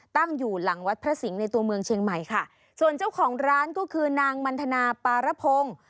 ตั้งอยู่หลังวัดพระสิงห์ในตัวเมืองเชียงใหม่ค่ะส่วนเจ้าของร้านก็คือนางมันทนาปารพงศ์